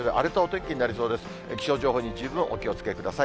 気象情報に十分、お気をつけください。